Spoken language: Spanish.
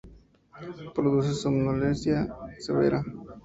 Produce somnolencia severa.